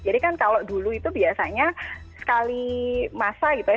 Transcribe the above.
jadi kan kalau dulu itu biasanya sekali masa gitu ya